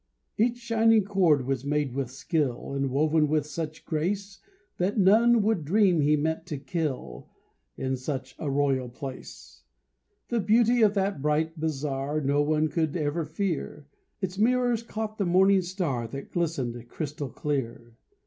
Each shining cord was made with skill, And woven with such grace, That none would dream he meant to kill, In such a royal place; The beauty of that bright bazar No one could ever fear, Its mirrors caught the morning star, That glistened crystal clear.